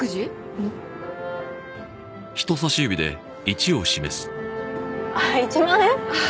うんあっ１万円？